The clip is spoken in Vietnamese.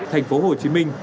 thành phố hồ chí minh